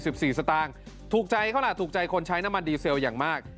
๔๔บาทถูกใจเขาล่ะถูกใจคนใช้น้ำมันดีเซลอย่างมาก